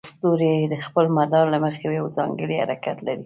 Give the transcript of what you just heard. هر ستوری د خپل مدار له مخې یو ځانګړی حرکت لري.